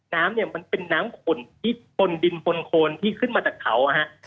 น้ำมันเป็นน้ำขนที่บนดินบนโครนที่ขึ้นมาจากเขา